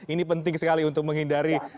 ini penting sekali untuk menghindari